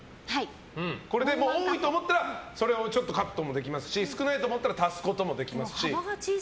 これで多いと思ったらちょっとカットもできますし少ないと思ったら足すこともできます。